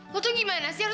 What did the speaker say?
lu tuh gimana sih ra